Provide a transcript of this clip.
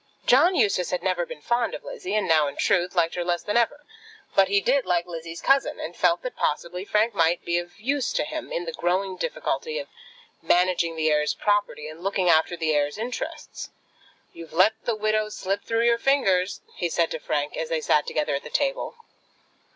John Eustace had never been fond of Lizzie, and now, in truth, liked her less than ever; but he did like Lizzie's cousin, and felt that possibly Frank might be of use to him in the growing difficulty of managing the heir's property and looking after the heir's interests. "You've let the widow slip through your fingers," he said to Frank, as they sat together at the table.